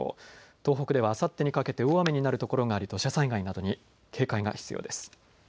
東北ではあさってにかけて大雨になる所があり土砂災害などに警戒が必要です。